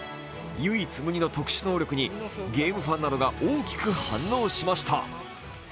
唯一無二の特殊能力に、ゲームファンなどが大きく反応しました。